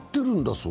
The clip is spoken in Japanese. そう